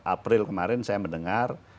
april kemarin saya mendengar